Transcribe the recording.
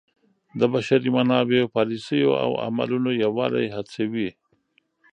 د بشري منابعو پالیسیو او عملونو یووالی هڅوي.